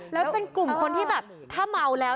แล้วเป็นกลุ่มคนที่แบบถ้าเมาแล้ว